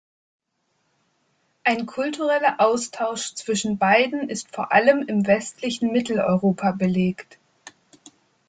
Ein kultureller Austausch zwischen beiden ist vor allem im westlichen Mitteleuropa belegt.